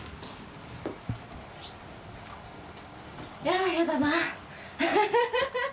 ややだな。